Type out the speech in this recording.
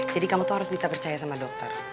jadi kamu tuh harus bisa percaya sama dokter